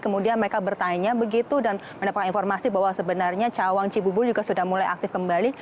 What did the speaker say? kemudian mereka bertanya begitu dan mendapatkan informasi bahwa sebenarnya cawang cibubur juga sudah mulai aktif kembali